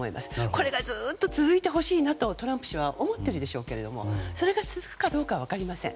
これがずっと続いてほしいなとトランプ氏は思っているでしょうけどそれが続くかどうかは分かりません。